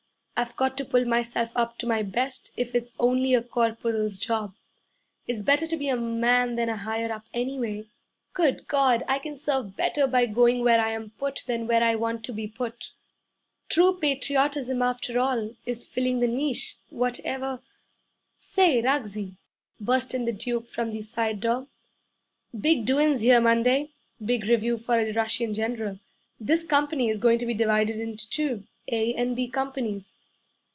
I've got to pull myself up to my best if it's only a corporal's job. It's better to be a man than a higher up anyway. Good God, I can serve better by going where I'm put than where I want to be put! True patriotism, after all, is filling the niche, whatever ' 'Say, Ruggsie,' burst in the Duke from the side door, 'big doin's here Monday. Big review for a Russian general. This company is goin' to be divided into two A and B companies.'